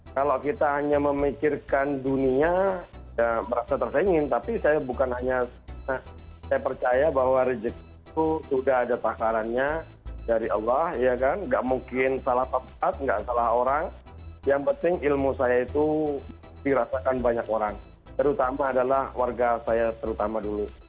kalau kita hanya memikirkan dunia dan berasa tersaingin tapi saya bukan hanya saya percaya bahwa rejeki itu sudah ada paharannya dari allah ya kan enggak mungkin salah pepat enggak salah orang yang penting ilmu saya itu dirasakan banyak orang terutama adalah warga saya terutama dulu